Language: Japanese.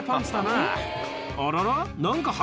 あらら。